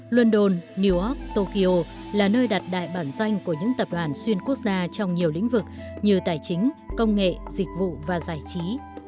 london new york tokyo là nơi đặt đại bản doanh của những tập đoàn xuyên quốc gia trong nhiều lĩnh vực như tài chính công nghệ dịch vụ và giải trí